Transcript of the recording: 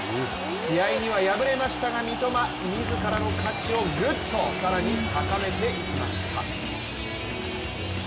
試合には敗れましたが三笘、自らの価値をぐっと高めていきました。